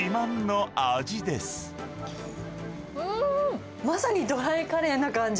うーん、まさにドライカレーな感じ。